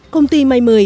công ty may một mươi